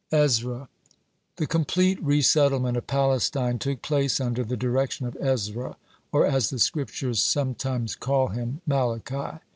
(32) EZRA The complete resettlement of Palestine took place under the direction of Ezra, or, as the Scriptures sometimes call him, Malachi.